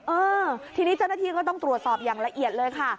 เออทีนี้เจ้าหน้าที่ก็ต้องตรวจสอบอย่างละเอียดเลยค่ะ